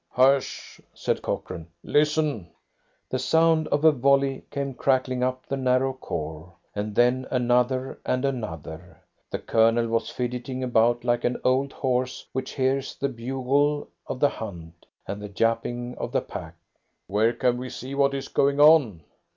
"Hush!" said Cochrane. "Listen!" The sound of a volley came crackling up the narrow khor, and then another and another. The Colonel was fidgeting about like an old horse which hears the bugle of the hunt and the yapping of the pack. "Where can we see what is going on?"